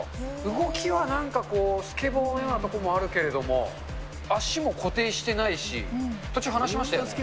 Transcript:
動きはなんかこう、スケボーのようなところもあるけど、足も固定してないし、途中離しましたよね？